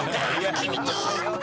君と。